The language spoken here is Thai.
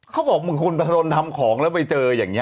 เขาบอกบางคนพะดนทำของแล้วไปเจออย่างนี้